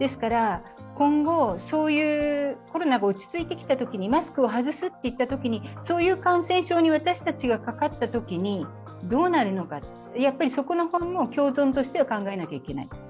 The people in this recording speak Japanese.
今後、うコロナが落ち着いてきたときにマスクを外すといったときに、そういう感染症に私たちがかかったときにどうなるのか、やっぱりそこも共存としては考えなきゃいけない。